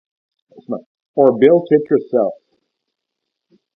Or built it yourself?